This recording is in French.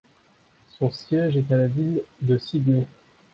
Son siège est la ville de Sidney.